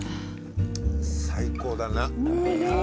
最高だなぁ。